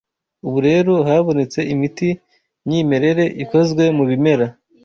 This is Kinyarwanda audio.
Ubu rero habonetse imiti myimerere ikozwe mu bimera